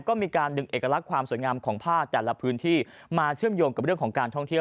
ก็มีการดึงเอกลักษณ์ความสวยงามของภาคแต่ละพื้นที่มาเชื่อมโยงกับเรื่องของการท่องเที่ยว